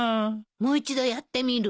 もう一度やってみる？